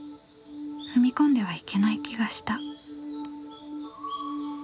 踏み込んではいけない気がした。